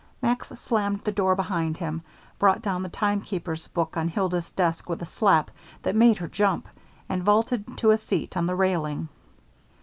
Max slammed the door behind him, brought down the timekeeper's book on Hilda's desk with a slap that made her jump, and vaulted to a seat on the railing.